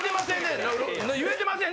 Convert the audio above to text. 言えてません！